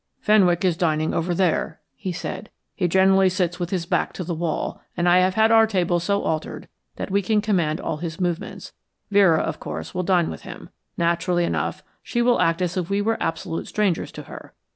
"Fenwick is dining over there," he said. "He generally sits with his back to the wall, and I have had our table so altered that we can command all his movements. Vera, of course, will dine with him. Naturally enough, she will act as if we were absolute strangers to her.